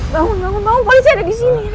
tunggu tunggu polisi ada di sini